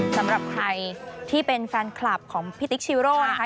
สำหรับใครที่เป็นแฟนคลับของพี่ติ๊กชีโร่นะคะ